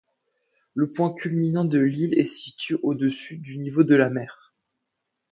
Le point culminant de l'île est situé à au-dessus du niveau de la mer.